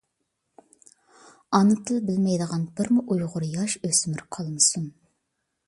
ئانا تىل بىلمەيدىغان بىرمۇ ئۇيغۇر ياش-ئۆسمۈر قالمىسۇن!